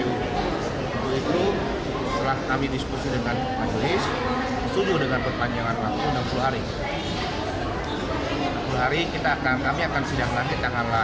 untuk itu setelah kami diskusi dengan majelis setuju dengan perpanjangan waktu enam puluh hari